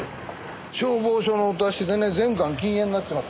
消防署のお達しでね全館禁煙になっちまって。